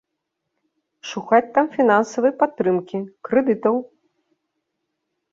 Шукаць там фінансавай падтрымкі, крэдытаў.